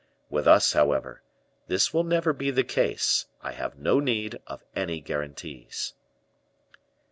With us, however, this will never be the case; I have no need of any guarantees."